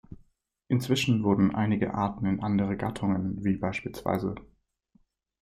Inzwischen wurden einige Arten in andere Gattungen, wie bspw.